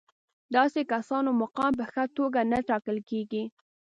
داسې کسانو مقام په ښه توګه نه ټاکل کېږي.